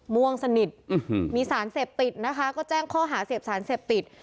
ม่วงสนิทมีสารเสพติดนะคะก็แจ้งข้อหาเสพสารเสพติด